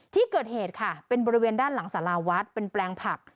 ที่เกิดเหตุค่ะเป็นบริเวณด้านหลังสาราวัดเป็นแปลงผัก